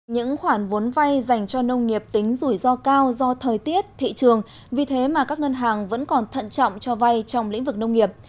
những khoản vốn vay dành cho nông nghiệp tính rủi ro cao do thời tiết thị trường vì thế mà các ngân hàng vẫn còn thận trọng cho vay trong lĩnh vực nông nghiệp